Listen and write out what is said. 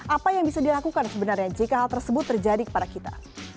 apa yang bisa dilakukan sebenarnya jika hal tersebut terjadi kepada kita